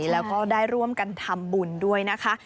แล้วก็ได้ร่วมกันทำบุญด้วยนะคะ